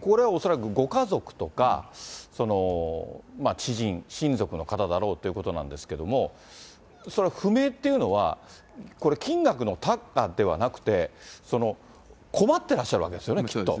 これは恐らくご家族とか、知人、親族の方だろうということなんですけれども、それは不明っていうのは、これ、金額の多寡ではなくて、困ってらっしゃるわけですよね、きっと。